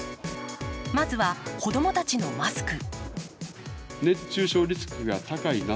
まずは子供たちのマスク。